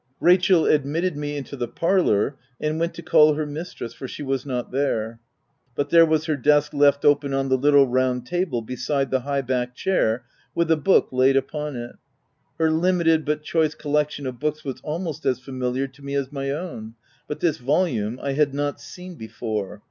Rachel admitted me into the parlour, and went to call her mistress, for she was not there S but there was her desk left open on the little round table beside the high backed chair, with a book laid upon it. Her limited but choice collection of books was almost as familiar to me as my own ; but this volume I had not seen before.